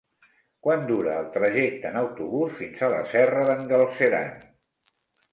Quant dura el trajecte en autobús fins a la Serra d'en Galceran?